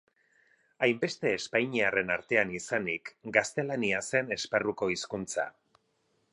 Hainbeste espainiarren artean izanik, gaztelania zen esparruko hizkuntza.